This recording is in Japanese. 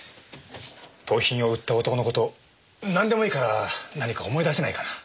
盗品を売った男の事なんでもいいから何か思い出せないかな？